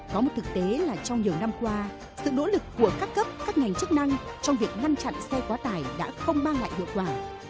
có một thực tế là trong nhiều năm qua sự nỗ lực của các cấp các ngành chức năng trong việc ngăn chặn xe quá tải đã không mang lại hiệu quả